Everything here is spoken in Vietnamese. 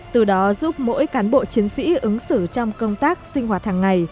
từ đó giúp mỗi cán bộ chiến sĩ ứng xử trong công tác sinh hoạt hàng ngày